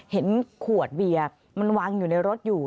เห็นขวดเบียร์มันวางอยู่ในรถอยู่